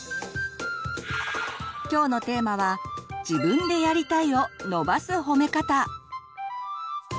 きょうのテーマは「自分でやりたいを伸ばす褒め方」。